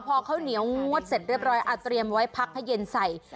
พอข้าวเหนียวงดเสร็จเรียบร้อยอ่ะเตรียมไว้พักให้เย็นใส่